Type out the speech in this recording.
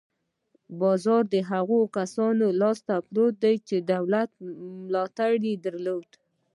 بازار د هغو کسانو لاس ته پرېوت چې دولتي ملاتړ یې درلود.